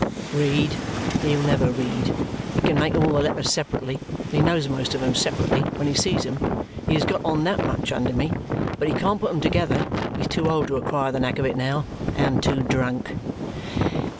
"Read! He'll never read. He can make all the letters separately, and he knows most of them separately when he sees them; he has got on that much, under me; but he can't put them together. He's too old to acquire the knack of it now and too drunk."